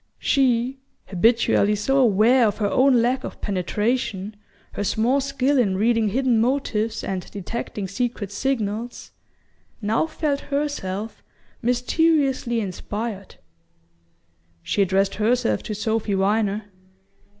She, habitually so aware of her own lack of penetration, her small skill in reading hidden motives and detecting secret signals, now felt herself mysteriously inspired. She addressed herself to Sophy Viner.